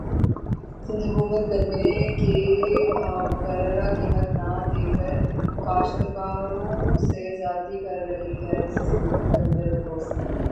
سندھ حکومت گنے کی مقررہ قیمت نہ دیکر کاشتکاروں سے زیادتی کر رہی ہے سکندر بوسن